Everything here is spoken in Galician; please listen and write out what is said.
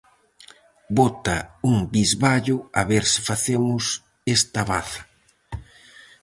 Bota un bisballo a ver se facemos esta baza.